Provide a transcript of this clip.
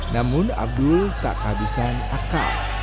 namun abdul tak kehabisan akal